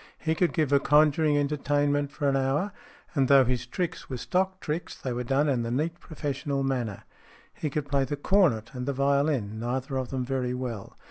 He could give a conjuring entertainment for an hour, and though his tricks were stock tricks, they were done in the neat professional manner. He could play the cornet and the violin, neither of them very well.